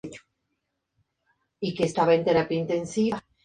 El ataque dejó averiado al Tirpitz durante más de dos meses.